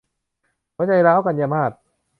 หัวใจร้าว - กันยามาส